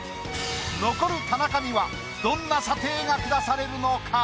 残る田中にはどんな査定が下されるのか？